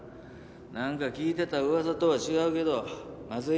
なんか聞いてた噂とは違うけど松井。